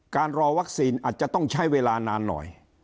การรอวัคซีนอาจจะต้องใช้เวลานานหน่อย